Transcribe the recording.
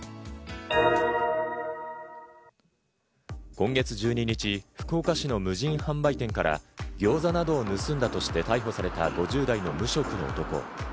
今月１２日、福岡市の無人販売店からギョーザなどを盗んだとして逮捕された５０代の無職の男。